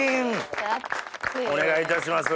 お願いいたします。